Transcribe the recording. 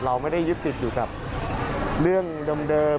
เราไม่ได้ยึดติดอยู่กับเรื่องเดิม